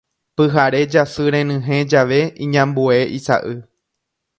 Pyhare jasy renyhẽ jave iñambue isa'y.